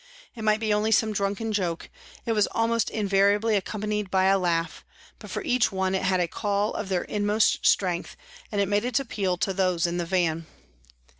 It might be only some drunken joke, it was almost invariably accom panied by a laugh, but for each one it had a call on their inmost strength, and it made its appeal to those in the van.